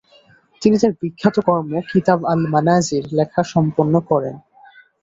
তিনি তার বিখ্যাত কর্ম, "কিতাব আল মানাযির" লেখা সম্পন্ন করেন।